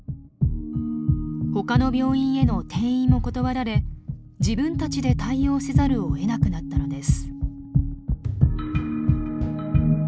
ほかの病院への転院も断られ自分たちで対応せざるをえなくなったのです。